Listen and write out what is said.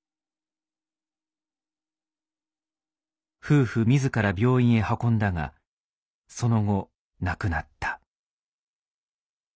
夫婦自ら病院へ運んだがその後亡くなった。